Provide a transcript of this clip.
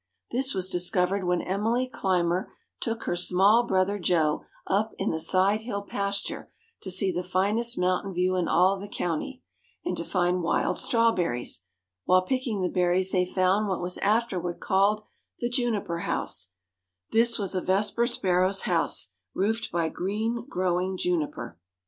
This was discovered when Emily Clymer took her small brother Jo up in the "side hill pasture" to see the finest mountain view in all the county, and to find wild strawberries; while picking the berries they found what was afterward called the juniper house; this was a Vesper Sparrow's home, roofed by green growing juniper.